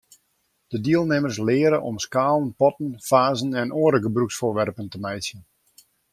De dielnimmers leare om skalen, potten, fazen en oare gebrûksfoarwerpen te meitsjen.